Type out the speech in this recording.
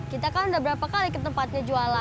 kita kan udah berapa kali ke tempatnya jualan